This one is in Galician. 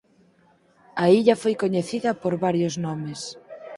A illa foi coñecida por varios nomes.